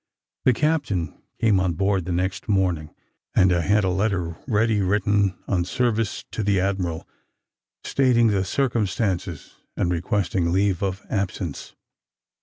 The captain came on board the next morning, and I had a letter ready written on service to the admiral, stating the circumstances, and requesting leave of absence.